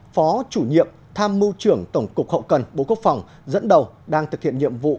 phó chủ nhiệm tham mưu trưởng tổng cục hậu cần bộ quốc phòng dẫn đầu đang thực hiện nhiệm vụ